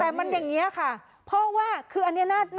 แต่มันอย่างนี้ค่ะเพราะว่าคืออันนี้น่า